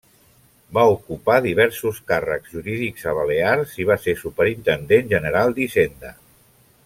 Va ocupar diversos càrrecs jurídics a Balears i va ser superintendent general d'Hisenda.